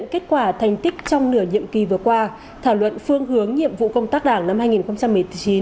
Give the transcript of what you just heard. kết quả thành tích trong nửa nhiệm kỳ vừa qua thảo luận phương hướng nhiệm vụ công tác đảng năm hai nghìn một mươi chín